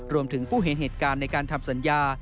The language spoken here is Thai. ผู้เห็นเหตุการณ์ในการทำสัญญา